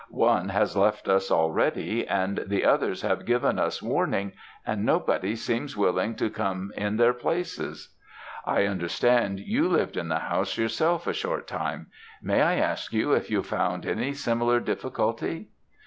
One has left us already, and the others have given us warning, and nobody seems willing to come in their places. I understand you lived in the house yourself a short time; may I ask if you found any similar difficulty?'